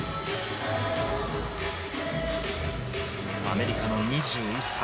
アメリカの２１歳。